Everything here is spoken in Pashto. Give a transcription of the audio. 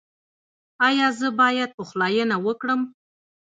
ایا زه باید پخلاینه وکړم؟